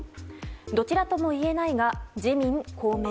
どちらともいえないが自民、公明。